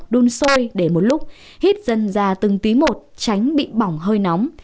đun sôi để một lúc hít dần ra từng tí một tránh bị bỏng hơi nóng